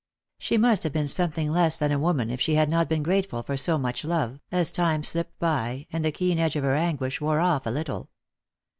211 She must have been something leas than a woman if she had not been grateful tor so much love, as time slipped by and the keen edge of her anguish wore off a little.